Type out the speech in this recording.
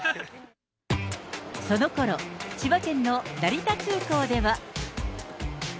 そのころ、千葉県の成田空港では。